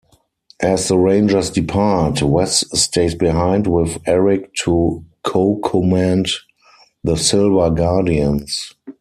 As the Rangers depart, Wes stays behind with Eric to co-command the Silver Guardians.